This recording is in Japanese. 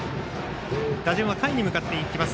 打順は下位に向かっていきます。